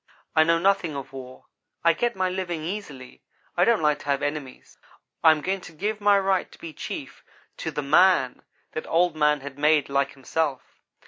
I know nothing of war. I get my living easily. I don't like to have enemies. I am going to give my right to be chief to the man that Old man has made like himself.'